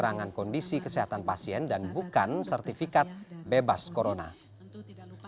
pihaknya tak menerima pemeriksaan untuk orang sehat terkait penyakit covid sembilan belas dan juga hanya mengeluarkan surat covid sembilan belas